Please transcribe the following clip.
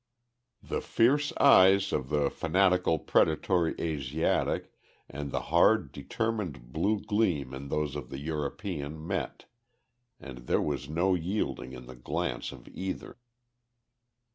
The fierce eyes of the fanatical predatory Asiatic, and the hard, determined blue gleam in those of the European met, and there was no yielding in the glance of either.